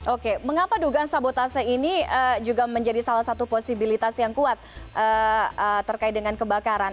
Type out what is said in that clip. oke mengapa dugaan sabotase ini juga menjadi salah satu posibilitas yang kuat terkait dengan kebakaran